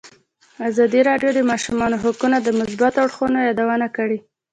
ازادي راډیو د د ماشومانو حقونه د مثبتو اړخونو یادونه کړې.